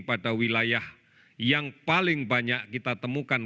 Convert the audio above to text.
pada wilayah yang paling banyak kita temukan